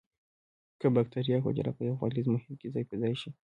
که بکټریا حجره په یو غلیظ محیط کې ځای په ځای شي.